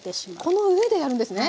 この上でやるんですね。